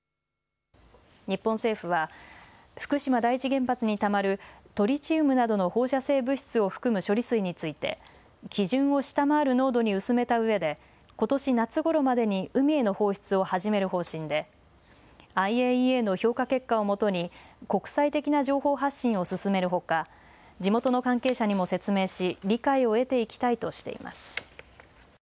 日本政府は福島第一原発にたまるトリチウムなどの放射性物質を含む処理水について基準を下回る濃度に薄めたうえでことし夏ごろまでに海への放出を始める方針でＩＡＥＡの評価結果をもとに国際的な情報発信を進めるほか地元の関係者にも説明し理解を得ていきたいとしています。